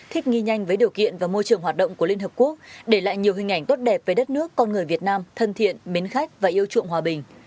thích nghi nhanh với điều kiện và môi trường hoạt động của liên hợp quốc để lại nhiều hình ảnh tốt đẹp về đất nước con người việt nam thân thiện mến khách và yêu chuộng hòa bình